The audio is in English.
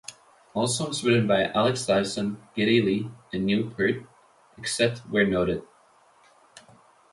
All songs written by Alex Lifeson, Geddy Lee and Neil Peart, except where noted.